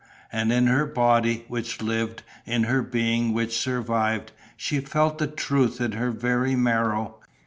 And in her body, which lived, in her being, which survived, she felt the truth in her very marrow!